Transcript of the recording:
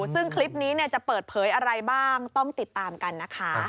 ซึ่งคลิปนี้จะเปิดเผยอะไรบ้างต้องติดตามกันนะคะ